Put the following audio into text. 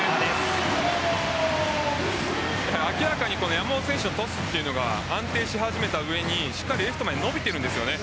明らかに山本選手のトスが安定し始めた上にしっかりレフトまで伸びているんです。